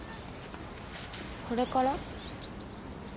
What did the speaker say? これから？